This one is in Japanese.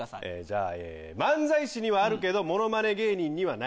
じゃあ漫才師にはあるけどものまね芸人にはない。